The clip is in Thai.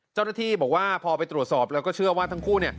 เจ้าหน้าที่บอกว่าพอไปตรวจสอบแล้วก็เชื่อว่าทั้งคู่